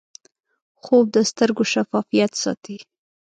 خوب د سترګو شفافیت ساتي